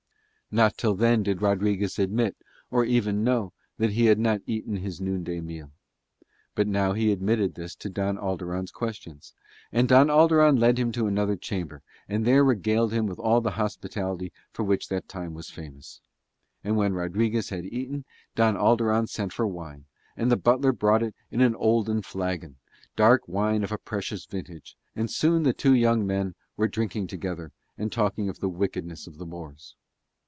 Not till then did Rodriguez admit, or even know, that he had not eaten since his noonday meal. But now he admitted this to Don Alderon's questions; and Don Alderon led him to another chamber and there regaled him with all the hospitality for which that time was famous. And when Rodriguez had eaten, Don Alderon sent for wine, and the butler brought it in an olden flagon, dark wine of a precious vintage: and soon the two young men were drinking together and talking of the wickedness of the Moors.